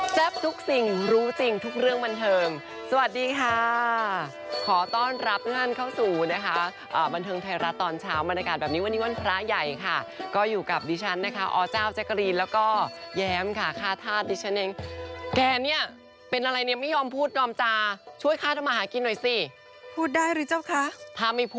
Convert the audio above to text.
ทุกสิ่งรู้จริงทุกเรื่องบันเทิงสวัสดีค่ะขอต้อนรับทุกท่านเข้าสู่นะคะบันเทิงไทยรัฐตอนเช้าบรรยากาศแบบนี้วันนี้วันพระใหญ่ค่ะก็อยู่กับดิฉันนะคะอเจ้าแจ๊กกะรีนแล้วก็แย้มค่ะค่าธาตุดิฉันเองแกเนี่ยเป็นอะไรเนี่ยไม่ยอมพูดยอมจาช่วยค่าทำมาหากินหน่อยสิพูดได้หรือเจ้าคะ